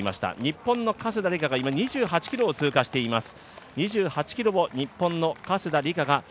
日本の加世田梨花が今、２８ｋｍを通過しています。